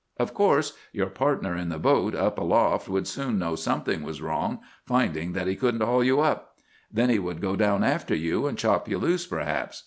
Of course your partner in the boat up aloft would soon know something was wrong, finding that he couldn't haul you up. Then he would go down after you, and chop you loose perhaps.